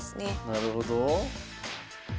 なるほど。